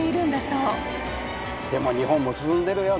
でも日本も進んでるよ。